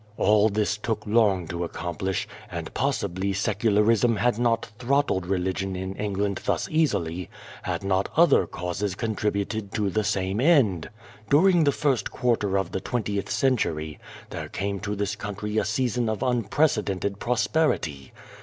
" All this took long to accomplish ; and possibly Secularism had not throttled Religion in England thus easily, had not other causes contributed to the same end. During the first 2 54 Without a Child quarter of the twentieth century, there came to this country a season of unprecedented prosperity.